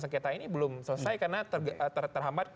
sengketa ini belum selesai karena terhambat